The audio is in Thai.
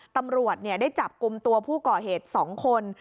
ตำรวจได้จับกลุ่มตัวผู้ก่อเหตุ๒คน